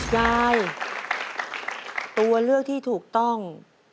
ยายตัวเลือกที่ถูกต้อง